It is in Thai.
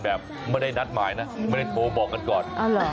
อ้าวเหรอ